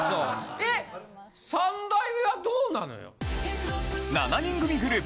えっ三代目はどうなのよ？